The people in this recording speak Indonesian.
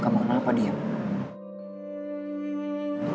kamu kenal apa diam